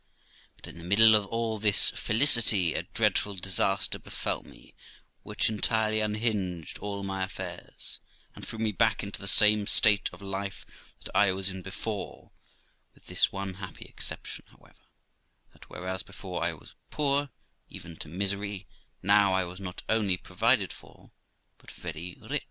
But in the middle of all this felicity a dreadful disaster befell me, which entirely unhinged all my affairs, and threw me back into the same state of life that I was in before; with this one happy exception, however, that, whereas before I was poor, even to misery, now I was not only provided for, but very rich.